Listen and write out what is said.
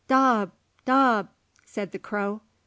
"Daub! daub!" said the crow.